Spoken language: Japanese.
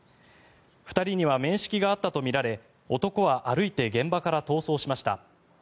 ２人には面識があったとみられ男は歩いて現場から逃走しました。